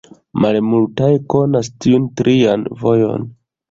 Malmultaj konas tiun trian vojon.